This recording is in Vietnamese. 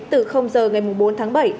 từ giờ ngày bốn tháng bảy